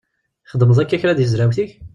Txeddmeḍ akka kra deg tezrawt-ik?